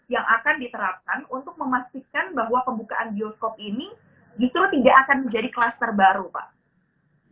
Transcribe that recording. yang akan diterapkan untuk memastikan bahwa